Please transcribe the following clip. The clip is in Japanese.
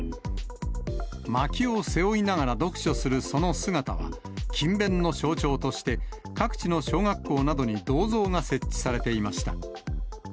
まきを背負いながら読書するその姿は、勤勉の象徴として、各地の小学校などに銅像が設置されていました。